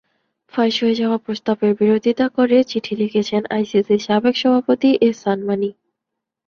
ফাঁস হয়ে যাওয়া প্রস্তাবের বিরোধিতা করে চিঠিটি লিখেছেন আইসিসির সাবেক সভাপতি এহসান মানি।